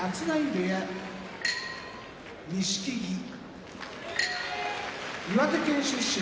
錦木岩手県出身